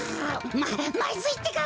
ままずいってか！